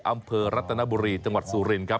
อำเภอรัตนบุรีจังหวัดสุรินครับ